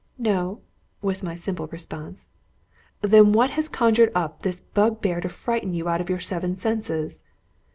"No," was my simple response. "Then what has conjured up this bugbear to frighten you out of your seven senses?"